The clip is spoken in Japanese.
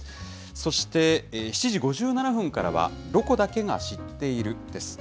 そして７時５７分からはロコだけが知っているです。